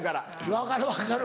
分かる分かる。